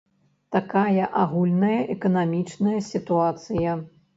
Такая агульная эканамічная сітуацыя.